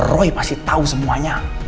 roy pasti tau semuanya